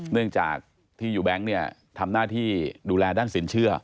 เนื่องจากที่อยู่แบงค์เนี่ยทำหน้าที่ดูแลด้านสินเชื่อ